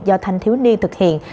do thanh thiếu niên thực hiện